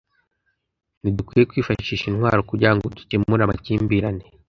Ntidukwiye kwifashisha intwaro kugira ngo dukemure amakimbirane